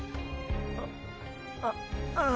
あっあれ？